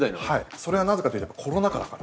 それはなぜかっていうとコロナ禍だから。